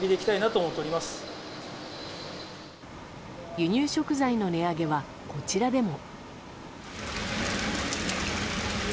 輸入食材の値上げはこちらでも。